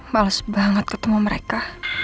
males banget ketemu mereka